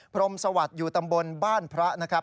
พรมสวัสดิ์อยู่ตำบลบ้านพระนะครับ